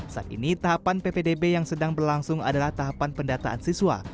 saat ini tahapan ppdb yang sedang berlangsung adalah tahapan pendataan siswa